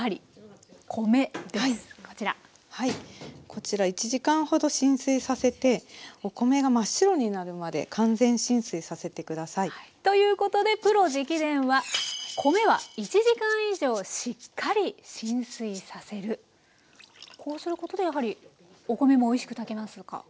こちら１時間ほど浸水させてお米が真っ白になるまで完全浸水させて下さい。ということでプロ直伝はこうすることでやはりお米もおいしく炊けますか？